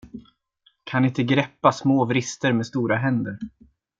Kan inte greppa små vrister med stora händer!